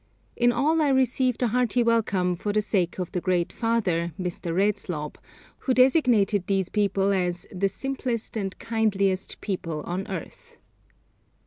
In all I received a hearty welcome for the sake of the 'great father,' Mr. Redslob, who designated these people as 'the simplest and kindliest people on earth.'